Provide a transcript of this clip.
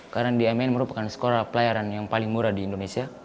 karena di amn merupakan sekolah pelayaran yang paling murah di indonesia